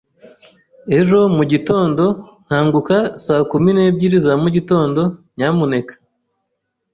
Ejo mu gitondo, nkanguka saa kumi n'ebyiri za mugitondo, nyamuneka.